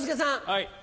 はい。